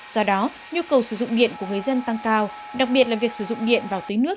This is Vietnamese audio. do đó nhu cầu sử dụng điện của người dân tăng cao đặc biệt là việc sử dụng điện vào tưới nước